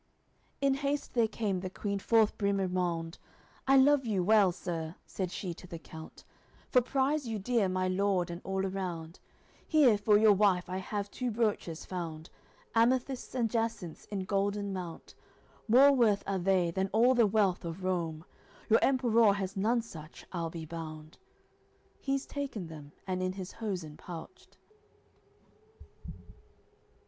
AOI. L In haste there came the Queen forth, Bramimound; "I love you well, sir," said she to the count, "For prize you dear my lord and all around; Here for your wife I have two brooches found, Amethysts and jacynths in golden mount; More worth are they than all the wealth of Roum; Your Emperour has none such, I'll be bound." He's taken them, and in his hosen pouched.